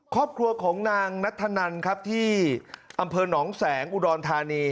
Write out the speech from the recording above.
ครอบครัวของนางนัทธนันครับที่อำเภอหนองแสงอุดรธานี